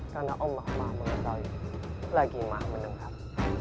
karena allah mah mengetahui lagi mah mendengar